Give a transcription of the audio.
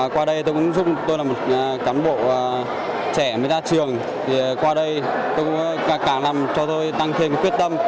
qua đây tôi cũng giúp tôi là một cán bộ trẻ mới ra trường qua đây tôi cũng càng càng làm cho tôi tăng thêm quyết tâm